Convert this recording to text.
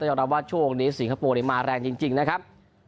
ยอมรับว่าช่วงนี้สิงคโปร์มาแรงจริงนะครับ